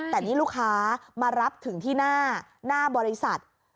แต่นี่ลูกค้ามารับถึงที่หน้าบริษัท